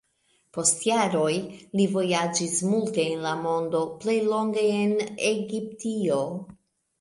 Post jaroj li vojaĝis multe en la mondo, plej longe en Egiptio.